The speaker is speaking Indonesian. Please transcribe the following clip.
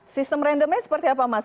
sistem randomnya seperti apa mas